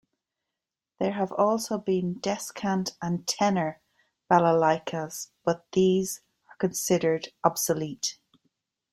There have also been "descant" and "tenor" balalaikas, but these are considered obsolete.